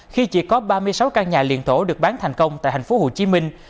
khi chỉ có ba mươi sáu căn nhà liền thổ được bán thành công tại thành phố hồ chí minh